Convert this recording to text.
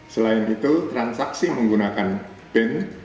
selain itu transaksi menggunakan bin